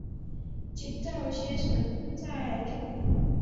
金昭希曾在就读。